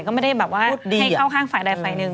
ก็ไม่ได้แบบว่าให้เข้าข้างฝ่ายใดฝ่ายหนึ่ง